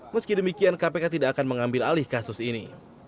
meski demikian kpk tidak akan mengambil alih kasus ini